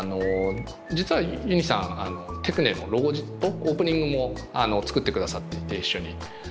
実はユニさんテクネのロゴオープニングも作ってくださっていて一緒に。